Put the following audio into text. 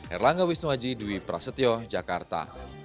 erlangga wisnuwaji dewi prasetyo jakarta